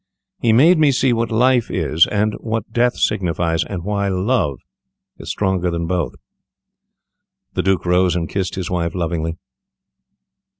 He made me see what Life is, and what Death signifies, and why Love is stronger than both." The Duke rose and kissed his wife lovingly.